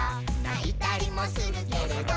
「ないたりもするけれど」